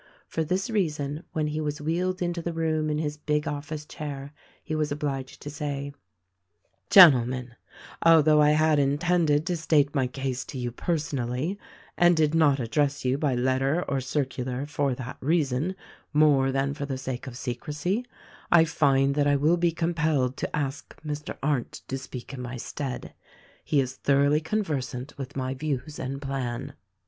For this reason, when he was wheeled into the room in his big office chair he was obliged to say: "Gentlemen, although I had intended to state my case to you personally — and did not address you by letter or circular for that reason, more than for the sake of secrecy — I find that I will be compelled to ask Mr. Arndt to speak in my stead. He is thoroughly conversant with my views and plan."